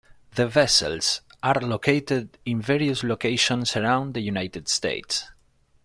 The vessels are located in various locations around the United States.